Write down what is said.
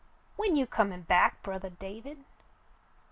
When you comin' back, brothah David